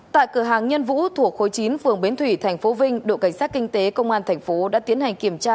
tại cửa hàng nhân vũ thuộc khối chín phường bến thủy tp vinh đội cảnh sát kinh tế công an thành phố đã tiến hành kiểm tra